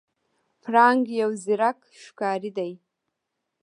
پړانګ یو زیرک ښکاری دی.